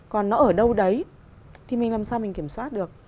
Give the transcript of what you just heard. còn nó ở đâu đấy thì mình làm sao mình kiểm soát được